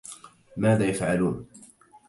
ماذا يفعلون؟